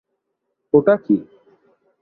ওটা কী?